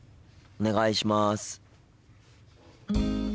お願いします。